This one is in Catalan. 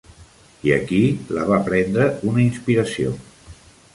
I aquí, la va prendre una inspiració.